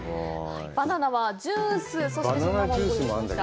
バナナはジュース、そしてそのままお持ちしました。